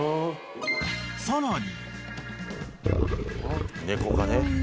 ［さらに］